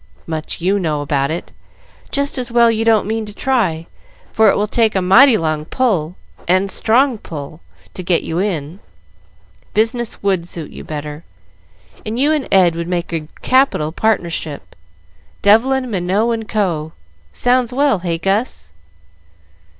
"Much you know about it. Just as well you don't mean to try, for it would take a mighty long pull and strong pull to get you in. Business would suit you better, and you and Ed would make a capital partnership. Devlin, Minot, & Co. sounds well, hey, Gus?"